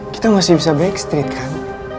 kita masih bisa backstreet kan